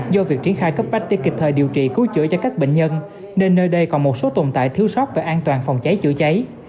do việc triển khai cấp bách để kịp thời điều trị cứu chữa cho các bệnh nhân nên nơi đây còn một số tồn tại thiếu sót về an toàn phòng cháy chữa cháy